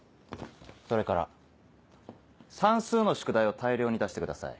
それから算数の宿題を大量に出してください。